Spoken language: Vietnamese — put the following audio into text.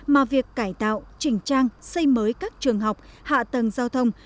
mà việc cải tạo chỉnh trang xây mới các trường học hạ tầng giao thông